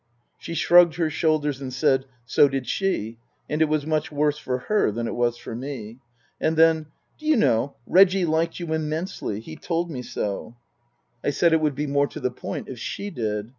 She shrugged her shoulders and said, So did she, and it was much worse for her than it was for me. And then :" Do you know, Reggie liked you immensely. He told me so." 54 Tasker Jevons I said it would be more to the point if she did.